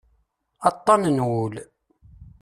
Aṭṭan n wul.